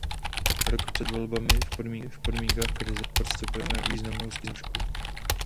Rok před volbami, v podmínkách krize, podstupujeme významnou zkoušku.